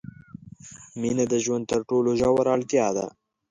مینه د ژوند تر ټولو ژوره اړتیا ده.